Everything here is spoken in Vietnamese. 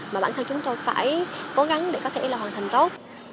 mà bản thân chúng tôi phải cố gắng để có thể là hoàn thành tốt